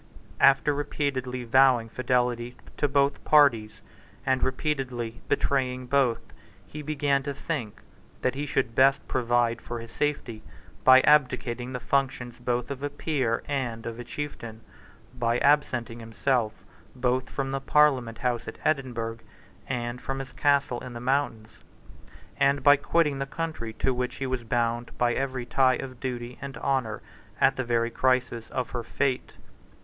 After repeatedly vowing fidelity to both parties, and repeatedly betraying both, he began to think that he should best provide for his safety by abdicating the functions both of a peer and of a chieftain, by absenting himself both from the Parliament House at Edinburgh and from his castle in the mountains, and by quitting the country to which he was bound by every tie of duty and honour at the very crisis of her fate.